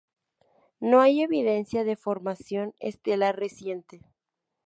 No hay evidencia de formación estelar reciente.